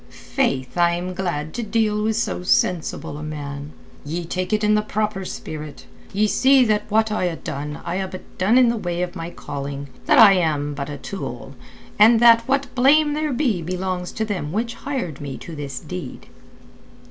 "Faith, I am glad to deal with so sensible a man! Ye take it in the proper spirit. Ye see that what I ha' done I ha' but done in the way of my calling, that I am but a tool, and that what blame there be belongs to them which hired me to this deed."